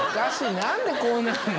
なんでこうなんの？